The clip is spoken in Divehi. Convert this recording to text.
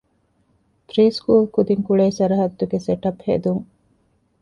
ޕްރީސްކޫލް ކުދިން ކުޅޭ ސަރަޙައްދުގެ ސެޓަޕް ހެދުން